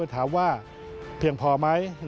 ถามว่าเพียงพอไหม